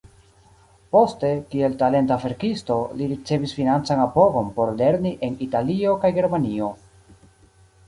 Poste, kiel talenta verkisto, li ricevis financan apogon por lerni en Italio kaj Germanio.